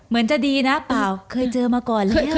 ไม่อ่ะเคยเจอมาก่อนแล้ว